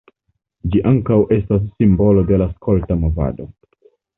Ĝi ankaŭ estas simbolo de la skolta movado.